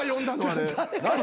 あれ。